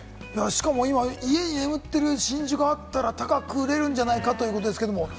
今、家に眠っている真珠があったら、高く売れるんじゃないかということですけれども。